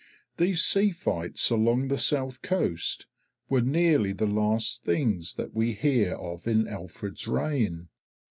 These sea fights along the south coast were nearly the last things that we hear of in Alfred's reign.